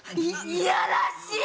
いやらしい！